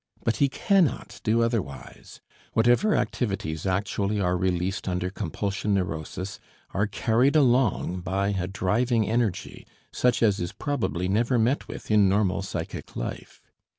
But he cannot do otherwise; whatever activities actually are released under compulsion neurosis are carried along by a driving energy, such as is probably never met with in normal psychic life.